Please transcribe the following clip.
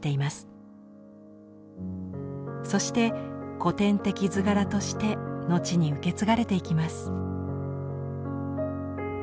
そして古典的図柄として後に受け継がれていきます。